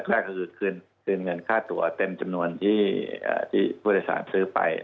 แรกก็คือคืนเงินค่าตัวเต็มจำนวนที่ผู้โดยสารซื้อไป